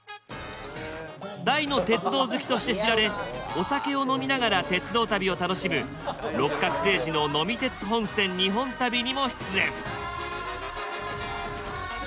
大の鉄道好きとして知られお酒を呑みながら鉄道旅を楽しむ「六角精児の呑み鉄本線・日本旅」にも出演。